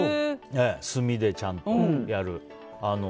炭で、ちゃんとやる。